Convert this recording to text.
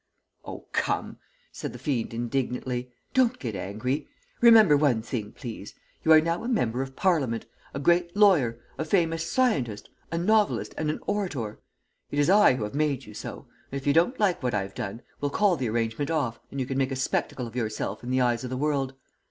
"'Oh, come,' said the fiend indignantly, 'don't get angry. Remember one thing, please. You are now a member of Parliament, a great Lawyer, a famous Scientist, a Novelist and an Orator. It is I who have made you so. If you don't like what I've done, we'll call the arrangement off, and you can make a spectacle of yourself in the eyes of the world.